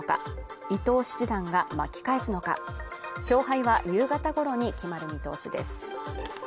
防衛に王手をかけるのか伊藤七段が巻き返すのか勝敗は夕方ごろに決まる見通しです